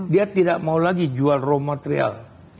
dia tidak mau lagi jual raw material